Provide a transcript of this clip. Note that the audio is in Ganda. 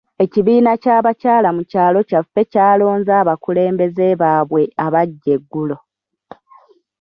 Ekibiina ky'abakyala mu kyalo kyaffe kyalonze abakulembeze baabwe abaggya eggulo.